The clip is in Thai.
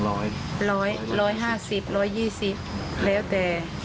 ๑๐๐๑๕๐บาท๑๒๐บาทแล้วแต่